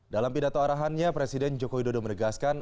dalam pidato arahannya presiden joko widodo menegaskan